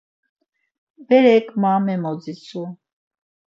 Berek ma memoditsu.